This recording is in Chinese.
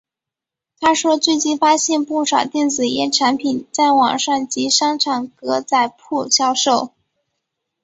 他说最近发现不少电子烟产品在网上及商场格仔铺销售。